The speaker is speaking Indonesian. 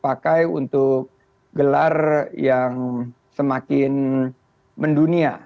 dipakai untuk gelar yang semakin mendunia